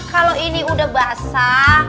kalau ini udah basah